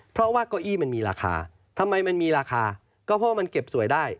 เพราะว่าเก้าอี้มันมีราคาทำไมมันมีราคาก็เพราะว่ามันเก็บสวยได้